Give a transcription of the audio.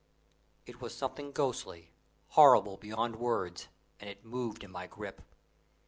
It was something ghostly, horrible beyond words, and it moved in my grip.